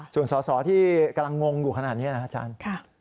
ส่วนสอสอที่กำลังงงอยู่ขนาดนี้นะครับอาจารย์